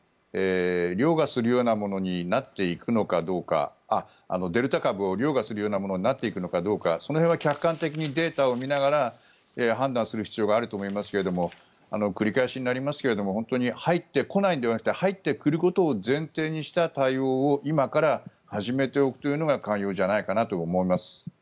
それによってデルタ株を凌駕するようなものになっていくのかどうかその辺は客観的にデータを見ながら判断する必要があると思いますが繰り返しになりますが入ってこないのではなくて入ってくることを前提にした対応を今から始めておくというのが肝要じゃないかなと思います。